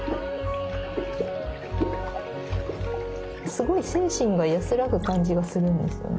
すごい精神が安らぐ感じがするんですよね。